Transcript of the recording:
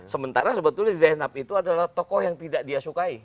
sementara sebetulnya zainab itu adalah tokoh yang tidak dia sukai